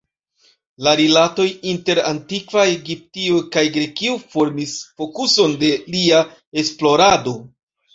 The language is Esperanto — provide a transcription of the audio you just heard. La rilatoj inter antikva Egiptio kaj Grekio formis fokuson de lia esplorado.